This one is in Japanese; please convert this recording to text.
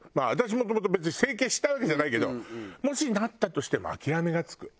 もともと別に整形したいわけじゃないけどもしなったとしても諦めがつく。